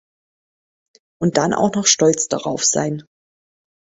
Und dann auch noch stolz drauf sein!